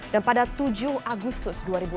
dan pada tujuh agustus dua ribu enam belas